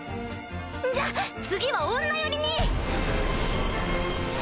じゃ次は女寄りに！